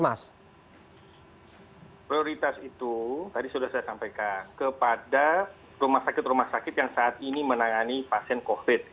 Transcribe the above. prioritas itu tadi sudah saya sampaikan kepada rumah sakit rumah sakit yang saat ini menangani pasien covid